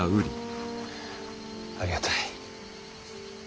ありがたい。